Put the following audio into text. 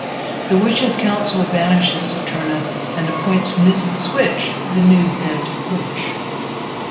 The Witches' Council banishes Saturna and appoints Miss Switch the new Head Witch.